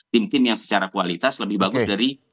tim tim yang secara kualitas lebih bagus dari